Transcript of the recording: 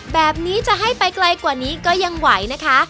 แบบนี้จะให้ไปไกลกว่านี้ก็ยังไหวนะคะ